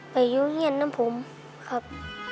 ไปอยู่เย็นด้านผมครับ